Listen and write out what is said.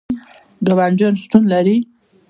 ګاونډیان شتون لري